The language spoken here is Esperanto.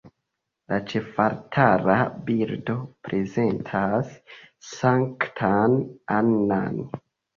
La ĉefaltara bildo prezentas Sanktan Annan.